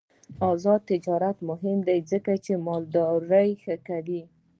آزاد تجارت مهم دی ځکه چې مالداري ښه کوي.